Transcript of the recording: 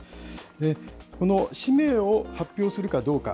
この氏名を発表するかどうか。